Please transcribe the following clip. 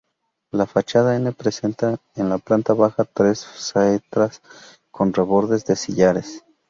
La fachada N presenta en la planta baja tres saeteras con rebordes de sillares.